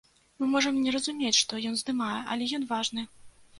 Мы можам не разумець, што ён здымае, але ён важны.